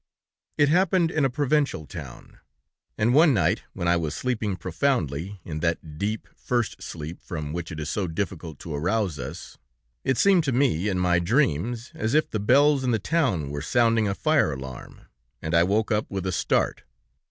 "It happened in a provincial town, and one night when I was sleeping profoundly, in that deep, first sleep from which it is so difficult to arouse us, it seemed to me, in my dreams, as if the bells in the town were sounding a fire alarm, and I woke up with a start.